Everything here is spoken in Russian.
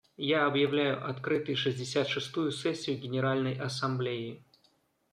Я объявляю открытой шестьдесят шестую сессию Генеральной Ассамблеи.